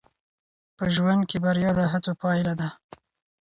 په ژوند کې بریا د هڅو پایله ده.